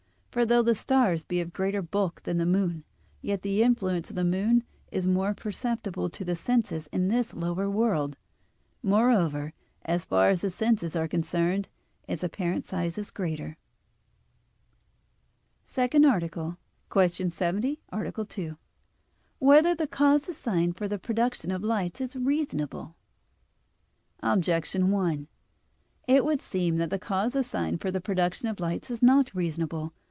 For though the stars be of greater bulk than the moon, yet the influence of the moon is more perceptible to the senses in this lower world. Moreover, as far as the senses are concerned, its apparent size is greater. _______________________ SECOND ARTICLE [I, Q. 70, Art. 2] Whether the Cause Assigned for the Production of the Lights Is Reasonable? Objection 1: It would seem that the cause assigned for the production of the lights is not reasonable.